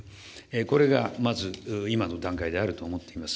これがまず、今の段階であると思っています。